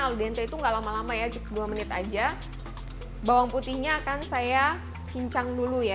aldente itu enggak lama lama ya dua menit aja bawang putihnya akan saya cincang dulu ya